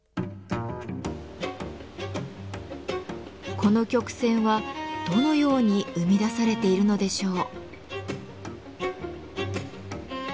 この曲線はどのように生み出されているのでしょう？